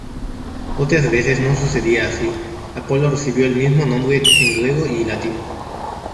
Otras veces no sucedía así: Apolo recibió el mismo nombre en griego y latín.